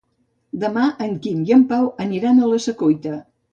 Demà en Quim i en Pau aniran a la Secuita.